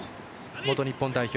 元日本代表